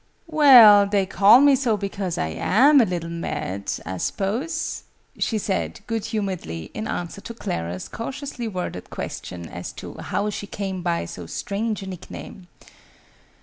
"Well, they call me so because I am a little mad, I suppose," she said, good humouredly, in answer to Clara's cautiously worded question as to how she came by so strange a nick name.